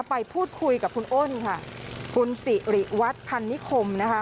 ไปพูดคุยกับคุณอ้นค่ะคุณสิริวัตรพันนิคมนะคะ